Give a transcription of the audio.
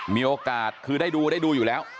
มีโอกาสคือได้ดูได้ดูอยู่แล้ว